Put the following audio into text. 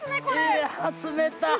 いや冷たっ！